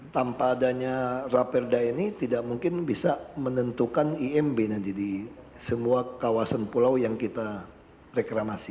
tanpa adanya raperda ini tidak mungkin bisa menentukan imb nanti di semua kawasan pulau yang kita reklamasi